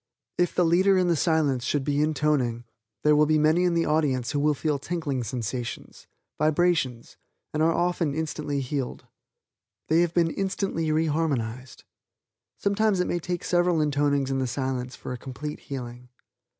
If the leader in the Silence should be intoning, there will be many in the audience who will feel tinkling sensations vibrations and often are instantly healed. They have been instantly re harmonized. Sometimes it may take several intonings in the Silence for a complete healing.